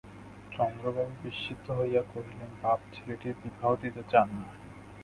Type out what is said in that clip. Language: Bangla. চন্দ্রবাবু বিস্মিত হইয়া কহিলেন, বাপ ছেলেটির বিবাহ দিতে চান না!